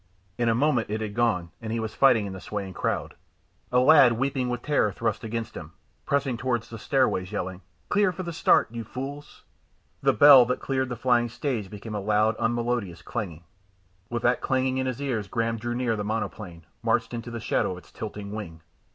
In a moment it had gone and he was fighting in the swaying crowd. A lad weeping with terror thrust against him, pressing towards the stairways, yelling "Clear for the start, you fools!" The bell that cleared the flying stage became a loud unmelodious clanging. With that clanging in his ears Graham drew near the monoplane, marched into the shadow of its tilting wing.